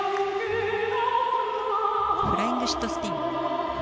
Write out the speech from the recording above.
フライングシットスピン。